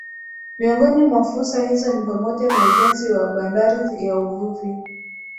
Miongoni mwa fursa hizo ni pamoja na ujenzi wa bandari ya uvuvi